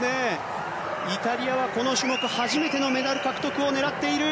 イタリアはこの種目初めてのメダル獲得を狙っている。